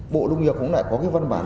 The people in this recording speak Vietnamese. bộ nông nghiệp cũng lại có cái văn bản